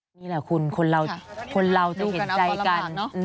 นี่แหละคุณคนเราจะเห็นใจกัน